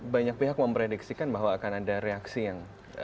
banyak pihak memprediksikan bahwa akan ada reaksi yang